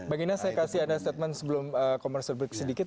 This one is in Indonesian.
bang inas saya kasih anda statement sebelum komersil break sedikit